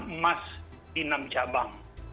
emas di enam cabang